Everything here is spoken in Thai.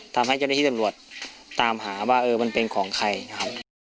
ทำให้เจ้าหน้าที่ตำรวจตามหาว่าเออมันเป็นของใครนะครับ